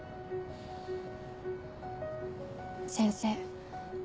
先生。